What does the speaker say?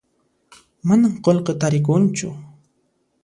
Manan qullqi tarikunchu